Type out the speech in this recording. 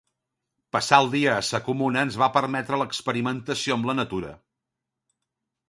Passar el dia a Sa Comuna ens va permetre l'experimentació amb la natura.